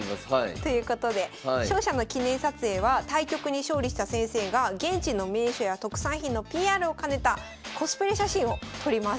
ということで勝者の記念撮影は対局に勝利した先生が現地の名所や特産品のＰＲを兼ねたコスプレ写真を撮ります。